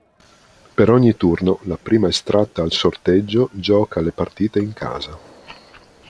Per ogni turno la prima estratta al sorteggio gioca le partite in casa.